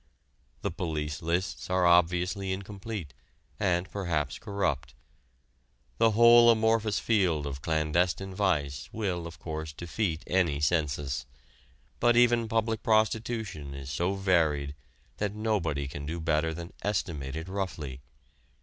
The police lists are obviously incomplete and perhaps corrupt. The whole amorphous field of clandestine vice will, of course, defeat any census. But even public prostitution is so varied that nobody can do better than estimate it roughly.